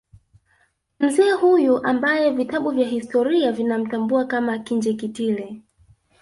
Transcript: Mzee huyu ambaye vitabu vya historia vinamtambua kama Kinjekitile